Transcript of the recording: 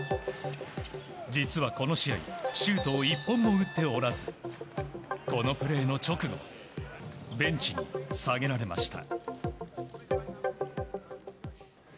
実はこの試合シュートを１本も打っておらずこのプレーの直後ベンチに下げられました。